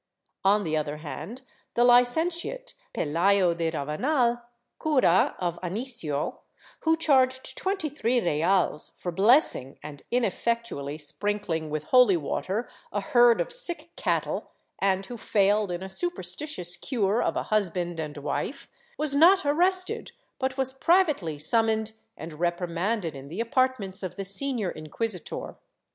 On the other hand, the Licentiate Pelayo de Ravanal, cura of Anicio, who charged twenty three realef^ for blessing and ineffectually sprinkling with holy water a herd of sick cattle, and who failed in a superstitious cure of a husband and wife, was not arrested but was privately summoned and repri manded in the apartments of the senior inquisitor.